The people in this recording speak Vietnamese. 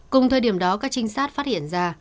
cùng thời điểm đó các trinh sát phát hiện ra